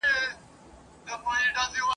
په خپلو کړو به ګاونډي ویاړی ..